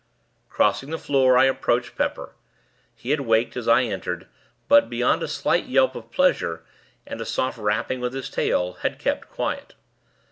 Crossing the floor, I approached Pepper. He had waked as I entered; but, beyond a slight yelp of pleasure, and a soft rapping with his tail, had kept quiet.